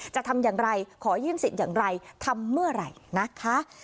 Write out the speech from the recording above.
จะทำอย่างไรขอยื่นสิทธิ์อย่างไรทำเมื่อไหร่นะคะ